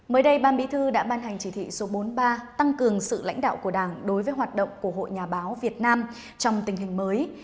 mới đây ban bí thư đã ban hành chỉ thị số bốn mươi ba tăng cường sự lãnh đạo của đảng đối với hoạt động của hội nhà báo việt nam trong tình hình mới